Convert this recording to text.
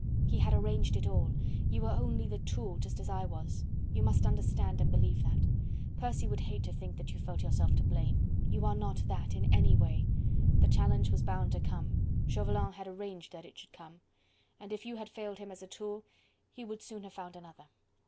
He had arranged it all.... You were only the tool... just as I was. ... You must understand and believe that.... Percy would hate to think that you felt yourself to blame... you are not that, in any way.... The challenge was bound to come.... Chauvelin had arranged that it should come, and if you had failed him as a tool, he soon would have found another!